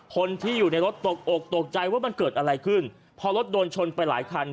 คนที่อยู่ในรถตกอกตกใจว่ามันเกิดอะไรขึ้นพอรถโดนชนไปหลายคัน